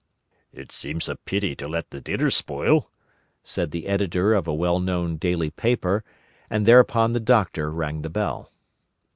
"It seems a pity to let the dinner spoil," said the Editor of a well known daily paper; and thereupon the Doctor rang the bell.